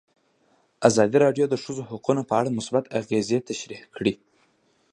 ازادي راډیو د د ښځو حقونه په اړه مثبت اغېزې تشریح کړي.